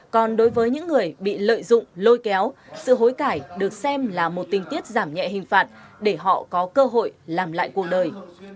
còn đối với những người bị lợi dụng lôi kéo sự hối cãi được xem là một tình tiết giảm nhẹ hình phạt để họ có cơ hội làm lại cuộc đời